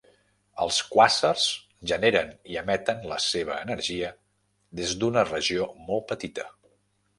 Els quàsars generen i emeten la seva energia des d'una regió molt petita.